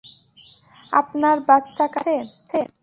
আপনার বাচ্চা-কাচ্চা আছে।